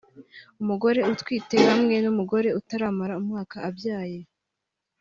umugore utwite hamwe n’umugore utaramara umwaka abyaye